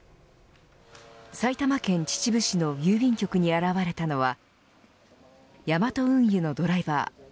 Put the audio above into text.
埼玉県秩父市の郵便局に現れたのはヤマト運輸のドライバー。